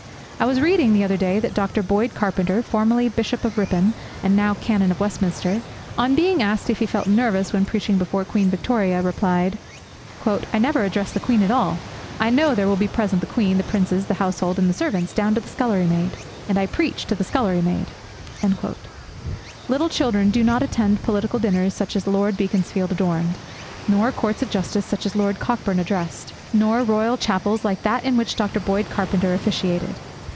I was reading the other day that Dr. Boyd Carpenter, formerly Bishop of Ripon and now Canon of Westminster, on being asked if he felt nervous when preaching before Queen Victoria, replied, 'I never address the Queen at all. I know there will be present the Queen, the Princes, the household, and the servants down to the scullery maid, and I preach to the scullery maid.' Little children do not attend political dinners such as Lord Beaconsfield adorned; nor Courts of Justice such as Lord Cockburn addressed; nor Royal chapels like that in which Dr. Boyd Carpenter officiated.